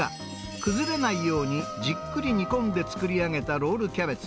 崩れないようにじっくり煮込んで作り上げたロールキャベツ。